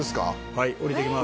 「はい降りていきます」